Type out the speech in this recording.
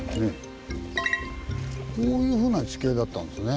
こういうふうな地形だったんですね。